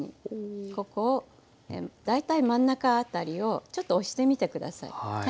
ここを大体真ん中辺りをちょっと押してみてください。